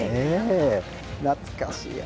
懐かしいわ。